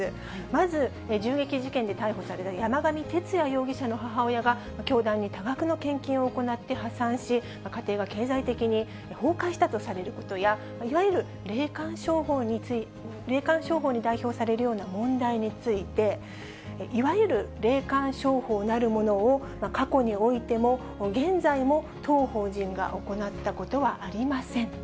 まず、銃撃事件で逮捕された山上徹也容疑者の母親が、教団に多額の献金を行って破産し、家庭が経済的に崩壊したとされることや、いわゆる霊感商法に代表されるような問題について、いわゆる霊感商法なるものを、過去においても、現在も当法人が行ったことはありません。